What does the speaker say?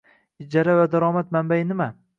Ijara va daromad manbai nima?